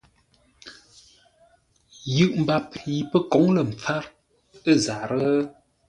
Yʉʼ mbap yi pə́ kǒŋ lə̂ mpfár ə̂ zarə́?